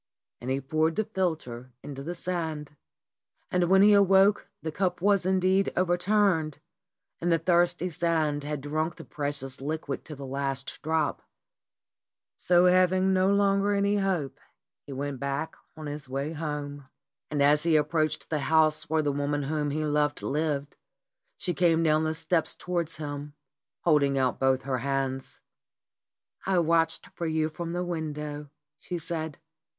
And poured the philter into the sand. And when he awoke the cup was indeed overturned, and the thirsty sand had drunk the precious liquid to 300 STORIES WITHOUT TEARS the last drop. So having no longer any hope he went back on his way home. And as he approached the house where the woman whom he loved lived, she came down the steps towards him, holding out both her hands. "I watched for you from the window," she said.